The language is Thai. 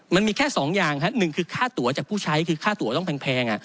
มันมีแค่สองอย่างครับหนึ่งคือค่าตัวจากผู้ใช้คือค่าตัวต้องแพง